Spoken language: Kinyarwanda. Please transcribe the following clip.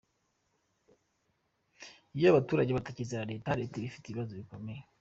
Iyo abaturage batakizera Leta, Leta iba ifite ibibazo bikomeye.